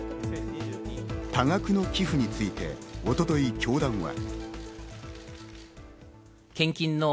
多額の寄付について一昨日、教団は。